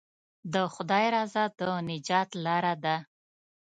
د خدای رضا د نجات لاره ده.